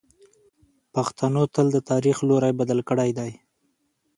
پښتنو تل د تاریخ لوری بدل کړی دی.